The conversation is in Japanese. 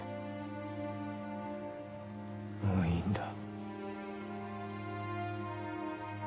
もういいんだ。